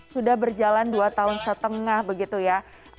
sudah berjalan dua tahun setengah begitu ya